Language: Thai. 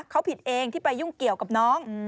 เขาผิดเองที่ไปยุ่งเกี่ยวกับน้อง